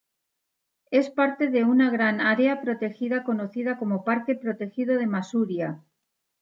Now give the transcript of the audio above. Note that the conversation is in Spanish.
Es parte de una gran Área protegida conocida como Parque protegido de Masuria.